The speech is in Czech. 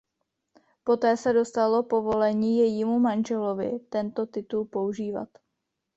Poté se dostalo povolení jejímu manželovi tento titul používat.